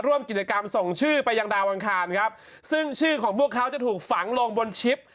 ร่วมกิจกรรมส่งชื่อไปยังดาวอังคารครับซึ่งชื่อของพวกเขาจะถูกฝังลงบนชิป